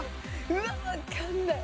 うわあわかんない。